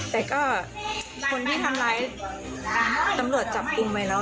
แต่ก็คนที่ทำร้ายตำรวจจับกลุ่มไว้แล้ว